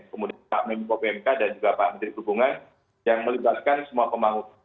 kemudian pak menko pmk dan juga pak menteri perhubungan yang melibatkan semua pemangku